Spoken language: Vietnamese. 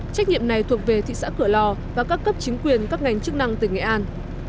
trách nhiệm này thuộc về thị xã cửa lò và các cấp chính quyền các ngành chức năng tỉnh nghệ an